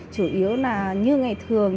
chủ yếu là như ngày thường